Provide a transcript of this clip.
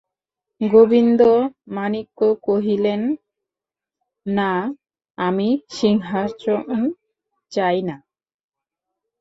গোবিন্দমাণিক্য কহিলেন, না, আমি সিংহাসন চাই না।